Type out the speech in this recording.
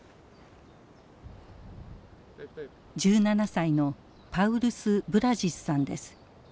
１７歳のパウルス・ブラジスさんです。